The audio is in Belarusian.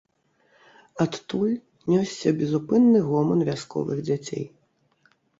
Адтуль нёсся безупынны гоман вясковых дзяцей.